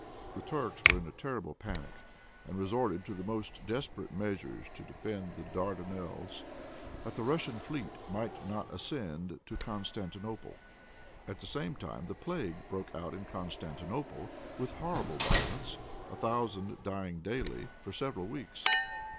The Turks were in a terrible panic, and resorted to the most desperate measures to defend the Dardanelles, that the Russian fleet might not ascend to Constantinople. At the same time the plague broke out in Constantinople with horrible violence, a thousand dying daily, for several weeks.